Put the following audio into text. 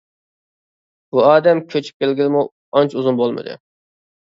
بۇ ئادەم كۆچۈپ كەلگىلىمۇ ئانچە ئۇزۇن بولمىدى.